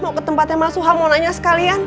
mau ke tempatnya masuk hama nanya sekalian